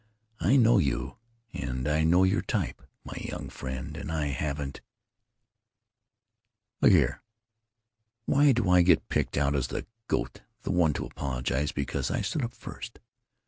I know you, and I know your type, my young friend, and I haven't——" "Look here. Why do I get picked out as the goat, the one to apologize? Because I stood up first?